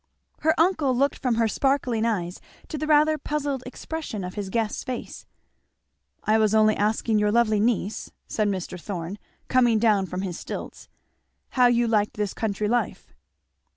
Her uncle looked from her sparkling eyes to the rather puzzled expression of his guest's face. "I was only asking your lovely niece," said Mr. Thorn coming down from his stilts, "how you liked this country life?"